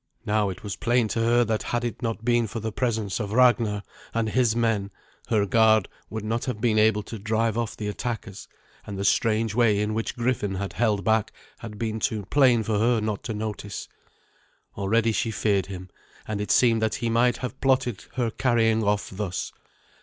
Now it was plain to her that had it not been for the presence of Ragnar and his men, her guard would not have been able to drive off the attackers; and the strange way in which Griffin had held back had been too plain for her not to notice. Already she feared him, and it seemed that he might have plotted her carrying off thus.